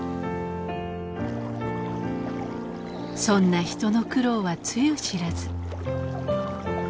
そんな人の苦労はつゆ知らず。